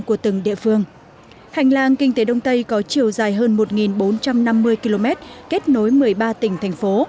của từng địa phương hành lang kinh tế đông tây có chiều dài hơn một bốn trăm năm mươi km kết nối một mươi ba tỉnh thành phố